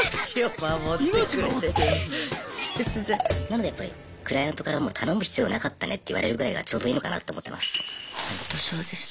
なのでクライアントから「頼む必要なかったね」って言われるぐらいがちょうどいいのかなと思ってます。